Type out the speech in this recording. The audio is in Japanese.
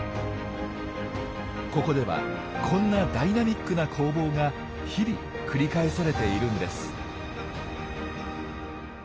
ここではこんなダイナミックな攻防が日々繰り返されているんです。